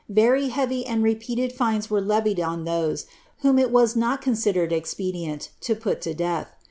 Very heavy and repeated fines were levied on those whom it was not considered expedient to put to death.